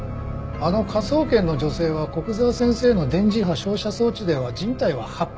あの科捜研の女性は古久沢先生の電磁波照射装置では人体は発火しないと言っていた。